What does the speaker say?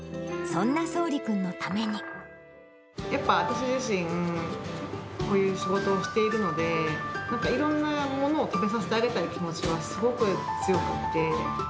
やっぱ私自身、こういう仕事をしているので、いろんなものを食べさせてあげたい気持ちはすごく強くって。